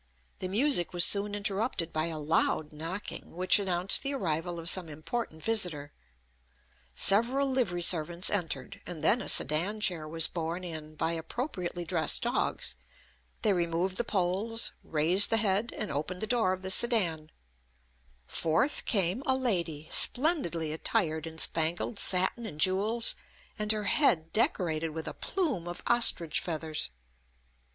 The music was soon interrupted by a loud knocking, which announced the arrival of some important visitor. Several livery servants entered, and then a sedan chair was borne in by appropriately dressed dogs; they removed the poles, raised the head, and opened the door of the sedan; forth came a lady, splendidly attired in spangled satin and jewels, and her head decorated with a plume of ostrich feathers!